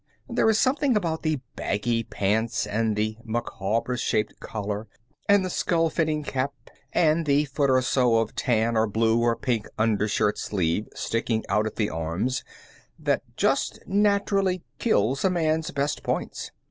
There is something about the baggy pants, and the Micawber shaped collar, and the skull fitting cap, and the foot or so of tan, or blue, or pink undershirt sleeve sticking out at the arms, that just naturally kills a man's best points.